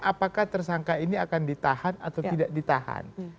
apakah tersangka ini akan ditahan atau tidak ditahan